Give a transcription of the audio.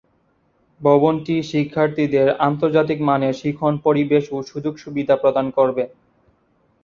ভবনটি শিক্ষার্থীদের আন্তর্জাতিক মানের শিখন পরিবেশ ও সুযোগ সুবিধা প্রদান করবে।